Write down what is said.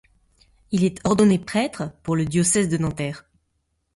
Il est ordonné prêtre le pour le diocèse de Nanterre.